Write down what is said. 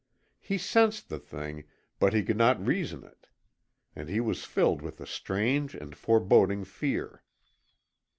He sensed the thing, but he could not reason it. And he was filled with a strange and foreboding fear.